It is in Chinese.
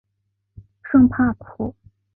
圣帕普。